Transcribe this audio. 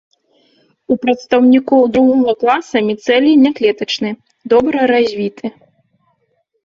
У прадстаўнікоў другога класа міцэлій няклетачны, добра развіты.